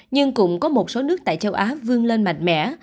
nhưng cũng có một số nước tại châu á vương lên mạnh mẽ